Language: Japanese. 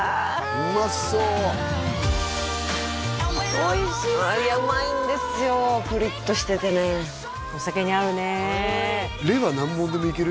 うまそうおいしそううまいんですよプリッとしててねお酒に合うねレバー何本でもいける？